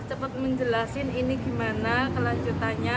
cepat menjelaskan ini gimana kelanjutannya